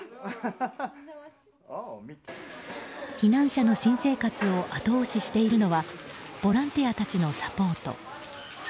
避難者の新生活を後押ししているのはボランティアたちのサポート。